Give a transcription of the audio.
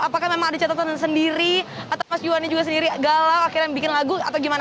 apakah memang ada catatan sendiri atau mas yuhani juga sendiri galau akhirnya bikin lagu atau gimana